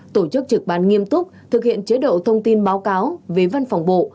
tổ chức trực ban nghiêm túc thực hiện chế độ thông tin báo cáo về văn phòng bộ